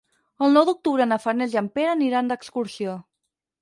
El nou d'octubre na Farners i en Pere aniran d'excursió.